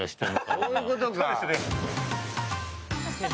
そういうことか。